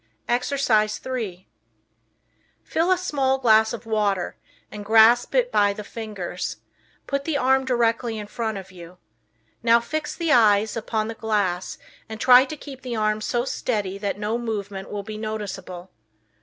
Exercise 3 Fill a small glass full of water, and grasp it by the fingers; put the arm directly in front of you. Now fix the eyes upon the glass and try to keep the arm so steady that no movement will be noticeable.